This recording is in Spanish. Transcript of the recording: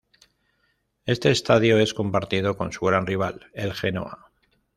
Este estadio es compartido con su gran rival, el Genoa.